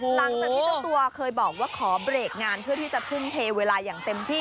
หลังจากที่เจ้าตัวเคยบอกว่าขอเบรกงานเพื่อที่จะทุ่มเทเวลาอย่างเต็มที่